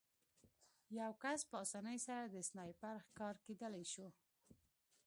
یو کس په اسانۍ سره د سنایپر ښکار کېدلی شو